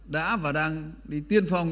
đã và đang đi tiên phong